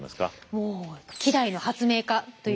もう稀代の発明家という印象ですよね。